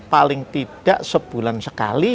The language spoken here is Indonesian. paling tidak sebulan sekali